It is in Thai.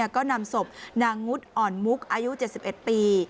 ก็นำศพนางงุดอ่อนมุกอายุ๗๑ปี